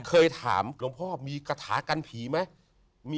เคยถามหลวงพ่อมีกระถากันผีไหม